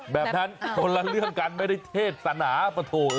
แบบนั้นคนละเรื่องกันไม่ได้เทศนาปะโถ